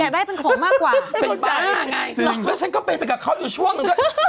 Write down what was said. ได้เป็นของมากกว่าเป็นบ้าไงแล้วฉันก็เป็นไปกับเขาอยู่ช่วงหนึ่งด้วย